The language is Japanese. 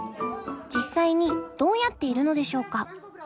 実際にどうやっているのでしょうか？